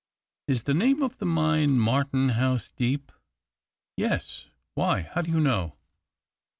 " Is the name of the mine Martenhuis Deep ?"" Yes — why ? How do you know